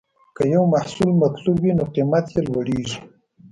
که یو محصول مطلوب وي، نو قیمت یې لوړېږي.